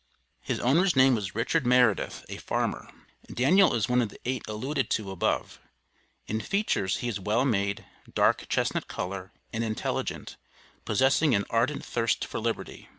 His owner's name was Richard Meredith, a farmer. Daniel is one of the eight alluded to above. In features he is well made, dark chestnut color, and intelligent, possessing an ardent thirst for liberty.